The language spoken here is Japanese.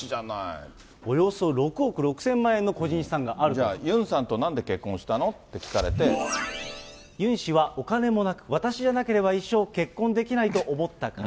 およそ６億６０００万円の個ユンさんとなんで結婚したのユン氏はお金もなく、私でなければ、一生結婚できないと思ったから。